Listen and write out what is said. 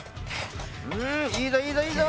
うんいいぞいいぞいいぞ。